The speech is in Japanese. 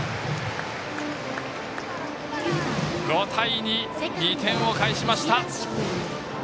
５対２と２点を返しました。